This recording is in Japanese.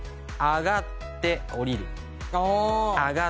上がって下りる。